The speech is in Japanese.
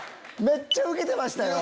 めっちゃウケてましたよ。